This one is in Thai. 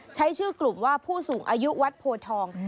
ใช้ชื่อกลุ่มว่าผู้สูงอายุวัดโพทอง